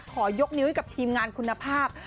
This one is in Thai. ขอยกนิ้วให้กับทีมงานคุณภาพ